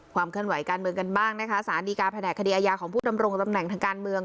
เคลื่อนไหวการเมืองกันบ้างนะคะสารดีการแผนกคดีอาญาของผู้ดำรงตำแหน่งทางการเมือง